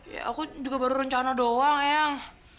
ya aku juga baru rencana doang yang